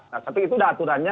nah tapi itu udah aturannya